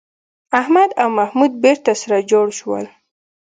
احمد او محمود بېرته سره جوړ شول.